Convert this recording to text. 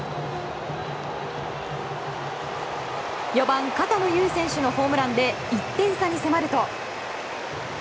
４番、片野優羽選手のホームランで１点差に迫ると。